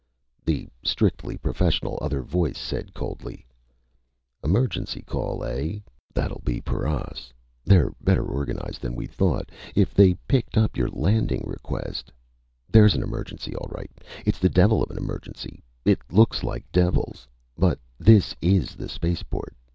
_" The strictly professional other voice said coldly: "_Emergency call, eh? That'll be paras. They're better organized than we thought, if they picked up your landing request! There's an emergency, all right! It's the devil of an emergency it looks like devils! But this is the spaceport.